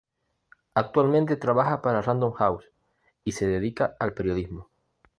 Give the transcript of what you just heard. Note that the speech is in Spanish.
Actualmente trabaja para Random House y se dedica al periodismo.